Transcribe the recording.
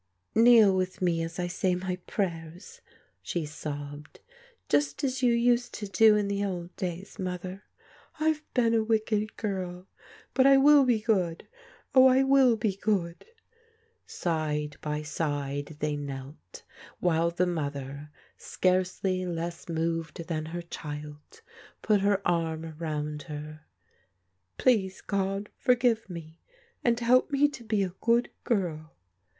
Kneel with me as I say my prayers," she sobbed. Just as you used to do in the old days. Mother. I've been a wicked girl, but I will be good. Oh, I will be good!" Side by side they knelt, while the mother, scarcely less moved than her child, put her arm round her. " Please, God, forgive me, and help me to be a good girl."